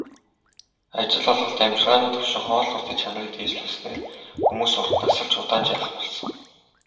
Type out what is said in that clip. Ажил олголт, амьжиргааны түвшин, хоол хүнсний чанарыг дээшлүүлснээр хүмүүс урт насалж, удаан жаргах болсон.